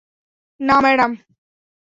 না, ম্যাডাম!